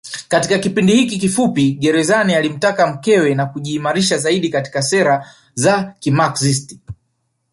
Katika kipindi hiki kifupi gerezani alimtaliki mkewe na kujiimarisha zaidi katika sera za kimaxist